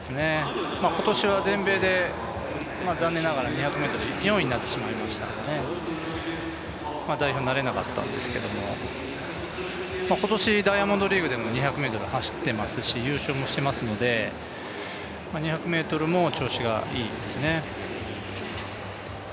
今年は全米で残念ながら２００ｍ４位になってしまったので代表になれなかったんですけれども、今年、ダイヤモンドリーグでも２００ｍ走っていますし、優勝もしていますので、２００ｍも調子がいいですね。